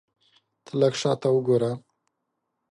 ته لږ شاته وګوره !